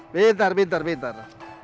bintar bintar bintar